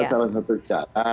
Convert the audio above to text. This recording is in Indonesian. maka salah satu cara